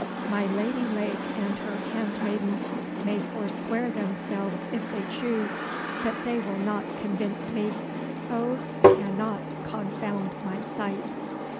my Lady Lake and her handmaiden may forswear themselves if they choose but they will not convince me. Oaths cannot confound my sight."